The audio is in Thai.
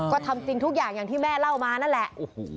ก็ทำจริงทุกอย่างอย่างที่แม่เล่ามานั่นแหละ